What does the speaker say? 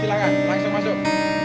silahkan langsung masuk